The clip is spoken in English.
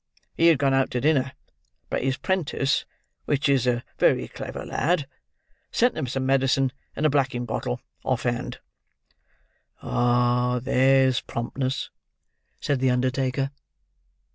He had gone out to dinner; but his 'prentice (which is a very clever lad) sent 'em some medicine in a blacking bottle, offhand." "Ah, there's promptness," said the undertaker.